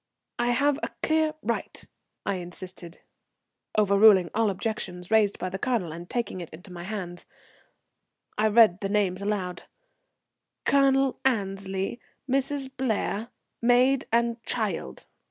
"I have a clear right," I insisted, overruling all objections raised by the Colonel; and taking it into my hands I read the names aloud, "Colonel Annesley, Mrs. Blair, maid and child."